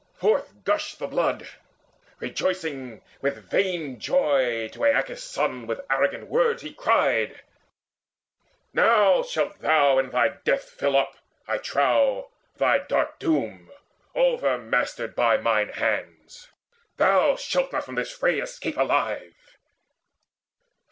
Forth gushed the blood: rejoicing with vain joy To Aeacus' son with arrogant words he cried: "Now shalt thou in thy death fill up, I trow, Thy dark doom, overmastered by mine hands. Thou shalt not from this fray escape alive!